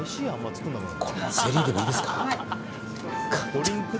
ゼリーでもいいですか。